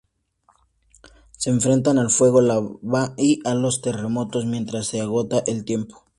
Se enfrentan al fuego, lava, y a los terremotos mientras se agota el tiempo.